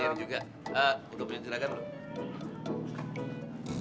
perni juga aku tuh punya juragan loh